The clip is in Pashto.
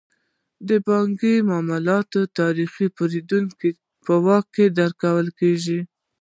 د بانکي معاملاتو تاریخچه پیرودونکو ته په واک کې ورکول کیږي.